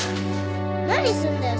何すんだよ